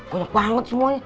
banyak banget semuanya